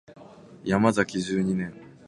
ヤマザキ十二年